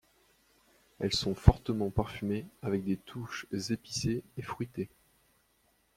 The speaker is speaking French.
Elles sont fortement parfumées avec des touches épicées et fruitées.